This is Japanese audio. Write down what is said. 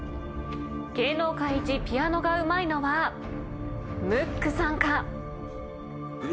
芸能界一ピアノがうまいのはムックさんか。